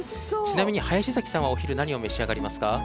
ちなみに林崎さんはお昼何を召し上がりますか？